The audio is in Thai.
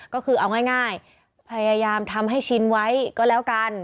ก็คือเอาง่ายพยายามทำให้ชินไว้ก็แล้วกัน